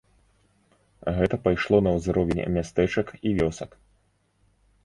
Гэта пайшло на ўзровень мястэчак і вёсак.